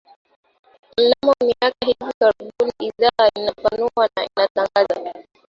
Mnamo miaka ya hivi karibuni idhaa imepanuka na inatangaza